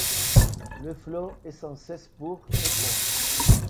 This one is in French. Le flot est sans cesse pour et contre.